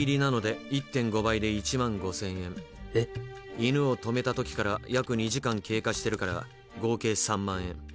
犬を止めた時から約２時間経過してるから合計３万円。